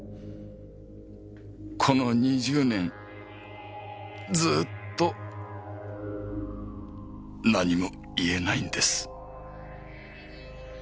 この２０年ずーっと何も言えないんです。